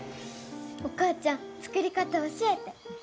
お母ちゃん作り方教えて。